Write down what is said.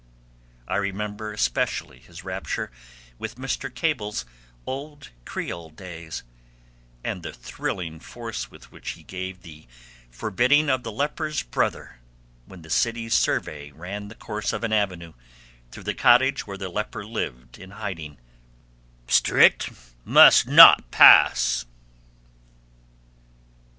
I remember especially his rapture with Mr. Cable's 'Old Creole Days,' and the thrilling force with which he gave the forbidding of the leper's brother when the city's survey ran the course of an avenue through the cottage where the leper lived in hiding: "Strit must not pass!"